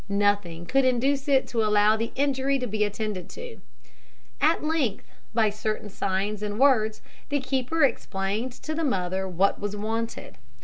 Nothing could induce it to allow the injury to be attended to. At length, by certain signs and words, the keeper explained to the mother what was wanted.